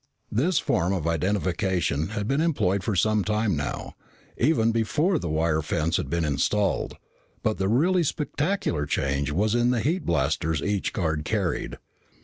This form of identification had been employed for some time now, even before the wire fence had been installed, but the really spectacular change was in the heat blasters each guard carried.